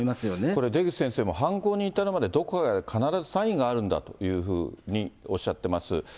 これ、出口先生も、犯行に至るまでに、どこかで必ずサインがあるんだというふうにおっしゃっています。